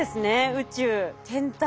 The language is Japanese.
宇宙天体。